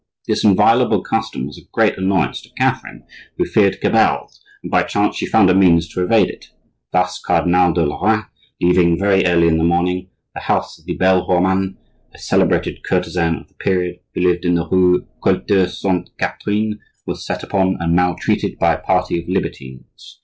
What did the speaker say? This inviolable custom was a great annoyance to Catherine, who feared cabals; and, by chance, she found a means to evade it, thus: Cardinal de Lorraine, leaving, very early in the morning, the house of the belle Romaine, a celebrated courtesan of the period, who lived in the rue Culture Sainte Catherine, was set upon and maltreated by a party of libertines.